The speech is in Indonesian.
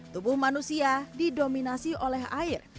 tubuh manusia didominasi oleh air